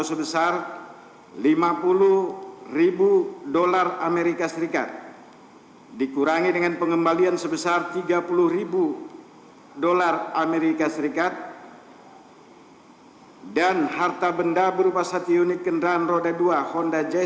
tiga menjatuhkan pidana kepada terdakwa dua subiharto